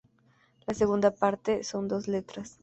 La segunda parte son dos letras.